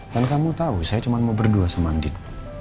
kan kamu tahu saya cuma mau berdua sama andien